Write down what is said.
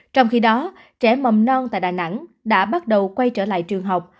trong khi đó trẻ mầm non tại đà nẵng đã bắt đầu quay trở lại trường học